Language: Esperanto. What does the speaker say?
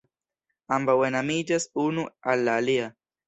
Ambaŭ enamiĝas unu al la alia.